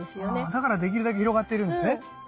だからできるだけ広がってるんですね。